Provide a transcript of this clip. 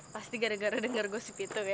pasti gara gara dengar gosip itu ya